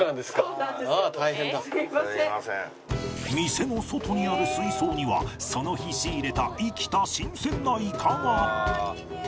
店の外にある水槽にはその日仕入れた生きた新鮮なイカが